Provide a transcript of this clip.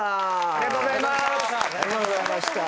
ありがとうございます。